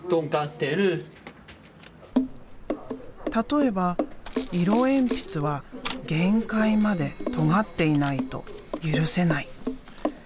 例えば色鉛筆は限界までとがっていないと許せない。